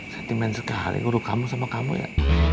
sentimen sekali guru kamu sama kamu ya